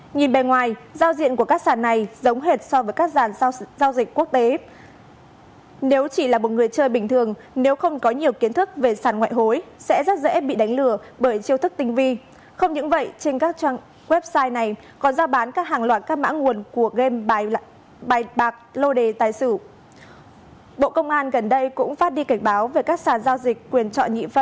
nhìn bề ngoài giao diện của các sản này giống hệt so với các sản giao dịch quốc tế